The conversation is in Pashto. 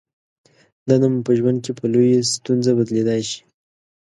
دنده مو په ژوند کې په لویې ستونزه بدلېدای شي.